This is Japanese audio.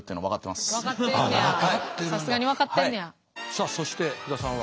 さあそして福田さんは。